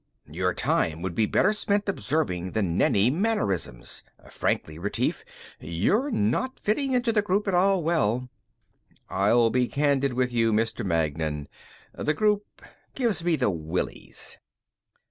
"Your time would be better spent observing the Nenni mannerisms. Frankly, Retief, you're not fitting into the group at all well." "I'll be candid with you, Mr. Magnan. The group gives me the willies."